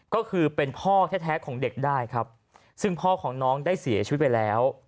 ก็คือเป็นพ่อแท้ของเด็กได้ครับซึ่งพ่อของน้องได้เสียชีวิตไปแล้ว